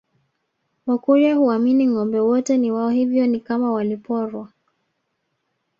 Wakurya huamini ngombe wote ni wao hivyo ni kama waliporwa